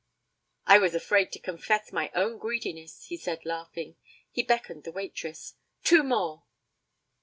'I was afraid to confess my own greediness,' he said, laughing. He beckoned the waitress. 'Two more.'